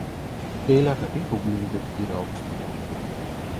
এই এলাকাটি হুগলি নদীর তীরে অবস্থিত।